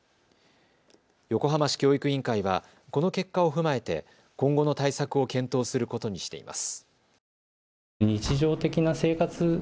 横浜市教育委員会はこの結果を踏まえて今後の対策を検討することにしています。